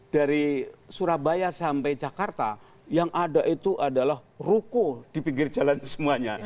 dari surabaya sampai jakarta yang ada itu adalah ruko di pinggir jalan semuanya